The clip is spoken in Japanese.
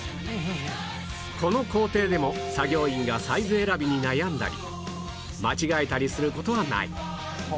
この工程でも作業員がサイズ選びに悩んだり間違えたりする事はない